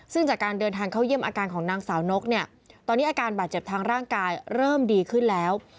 ซึ่งจากการเดินทางเข้าเยี่ยมอาการของนางสาวนกเนี่ยตอนนี้อาการบาดเจ็บทางร่างกายเริ่มดีขึ้นแล้ว